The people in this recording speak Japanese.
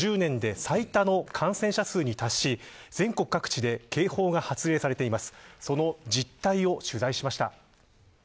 異例の残暑などが原因で過去１０年で最多の感染者数に達し全国各地で警報が発令されています。